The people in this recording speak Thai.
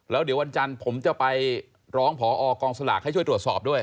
แล้วเดี๋ยววันจันทร์ผมจะไปร้องพอกองสลากให้ช่วยตรวจสอบด้วย